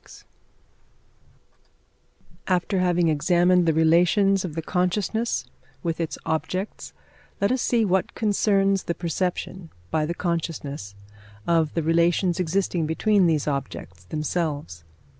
After having examined the relations of the consciousness with its objects, let us see what concerns the perception, by the consciousness, of the relations existing between these objects themselves.